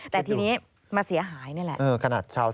แต่ทีนี้มาเสียหายนี่แหละ